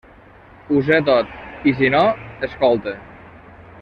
Ho sé tot; i si no, escolta.